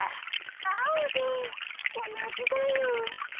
アオベエ同じだよ。